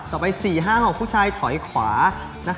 ต่อไป๔๕๖ผู้ชายถอยขวานะครับ